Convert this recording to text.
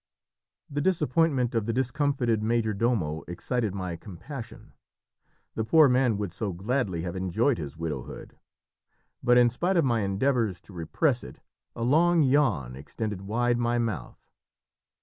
The disappointment of the discomfited major domo excited my compassion. The poor man would so gladly have enjoyed his widowhood. But in spite of my endeavours to repress it a long yawn extended wide my mouth.